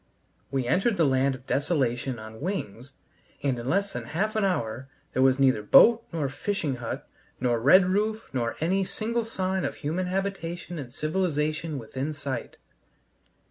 We entered the land of desolation on wings, and in less than half an hour there was neither boat nor fishing hut nor red roof, nor any single sign of human habitation and civilization within sight.